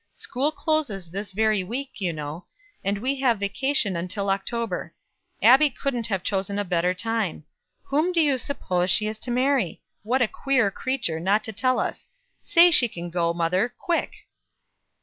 School closes this very week, you know, and we have vacation until October. Abbie couldn't have chosen a better time. Whom do you suppose she is to marry? What a queer creature, not to tell us. Say she can go, mother quick!"